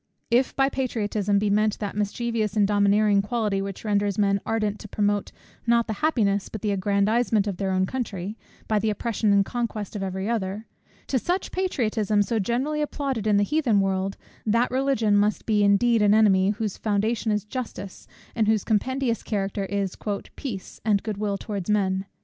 If by patriotism be meant that mischievous and domineering quality, which renders men ardent to promote, not the happiness, but the aggrandisement of their own country, by the oppression and conquest of every other; to such patriotism, so generally applauded in the Heathen world, that Religion must be indeed an enemy, whose foundation is justice, and whose compendious character is "peace, and good will towards men."